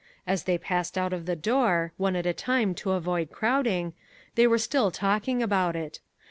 As they passed out of the door, one at a time to avoid crowding, they were still talking about it.